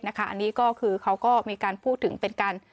นี้เขาก็มีการพูดถึงเป็นการ